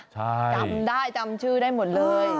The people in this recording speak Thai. จำได้จำชื่อได้หมดเลย